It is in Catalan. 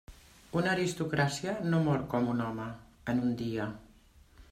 Una aristocràcia no mor com un home, en un dia.